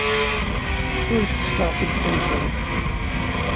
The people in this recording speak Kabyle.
Ur tteffeɣ seg usensu.